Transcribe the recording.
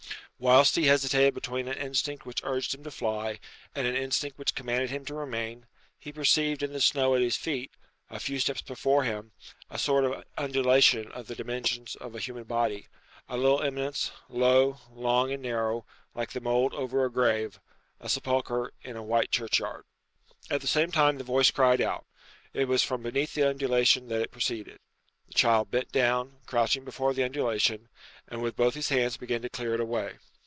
Whilst he hesitated between an instinct which urged him to fly and an instinct which commanded him to remain, he perceived in the snow at his feet, a few steps before him, a sort of undulation of the dimensions of a human body a little eminence, low, long, and narrow, like the mould over a grave a sepulchre in a white churchyard. At the same time the voice cried out. It was from beneath the undulation that it proceeded. The child bent down, crouching before the undulation, and with both his hands began to clear it away.